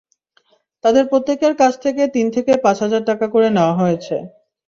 তাঁদের প্রত্যেকের কাছ থেকে তিন থেকে পাঁচ হাজার টাকা করে নেওয়া হয়েছে।